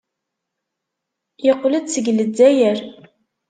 Yeqqel-d seg Lezzayer.